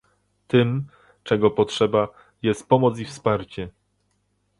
Tym, czego potrzeba, jest pomoc i wsparcie